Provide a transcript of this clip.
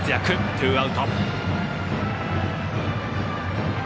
ツーアウト。